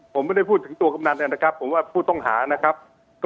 ผมไม่ได้พูดถึงตัวกำนันนะครับผมว่าผู้ต้องหานะครับ